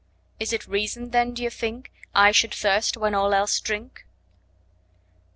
Is it reason then, d'ye think, I should thirst when all else drink?